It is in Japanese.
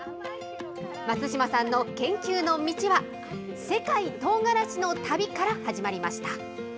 松島さんの研究の道は、世界とうがらしの旅から始まりました。